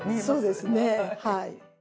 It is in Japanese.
そうですねはい。